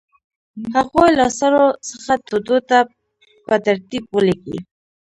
هغوی له سړو څخه تودو ته په ترتیب ولیکئ.